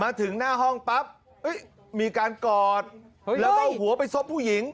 ถึงหน้าห้องปั๊บมีการกอดแล้วก็เอาหัวไปซบผู้หญิง